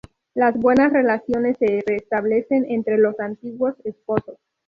Las buenas relaciones se restablecen entre los antiguos esposos.